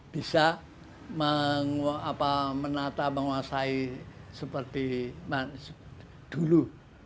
bisa menata menguasai seperti dulu